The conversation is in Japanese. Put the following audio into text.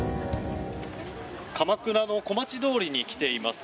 鎌倉の小町通りに来ています。